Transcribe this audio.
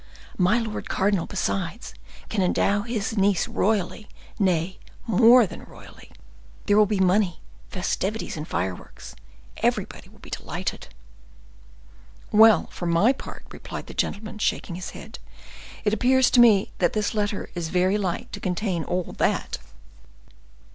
My lord cardinal, besides, can endow his niece royally, nay, more than royally. There will be money, festivities, and fire works—everybody will be delighted." "Well, for my part," replied the gentleman, shaking his head, "it appears to me that this letter is very light to contain all that."